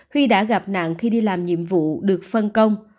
huy đã gặp nạn khi đi làm nhiệm vụ được phân công